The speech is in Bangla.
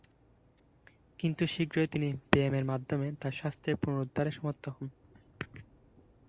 কিন্তু শীঘ্রই তিনি ব্যায়ামের মাধ্যমে তার স্বাস্থ্যের পুনরুদ্ধারে সমর্থ হন।